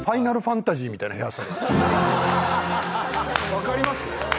分かります？